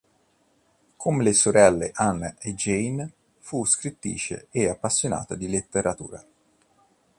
Come le sorelle Anna e Jane fu scrittrice e appassionata di letteratura.